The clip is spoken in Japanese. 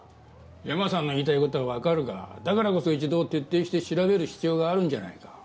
山さんの言いたい事はわかるがだからこそ一度徹底して調べる必要があるんじゃないか？